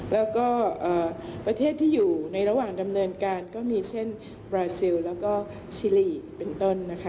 แล้วก็ประเทศที่อยู่ในระหว่างดำเนินการก็มีเช่นบราซิลแล้วก็ชิลีเป็นต้นนะคะ